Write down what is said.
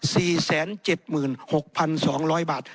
สี่แสนเจ็ดหมื่นหกพันสองร้อยบาท